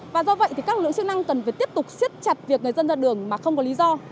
và do vậy thì các lượng sức năng cần phải tiếp tục siết chặt việc người dân ra đường mà không có lý do